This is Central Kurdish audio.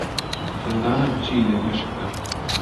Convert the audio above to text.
دەزانم چی لە مێشکتە.